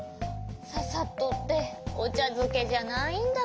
ササッとっておちゃづけじゃないんだから。